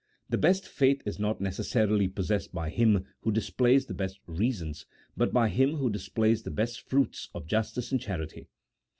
The best faith is not necessarily possessed by him who displays the best reasons, but by him who displays the best fruits of justice and charity.